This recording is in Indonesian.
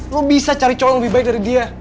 lo bisa cari cowok yang lebih baik dari dia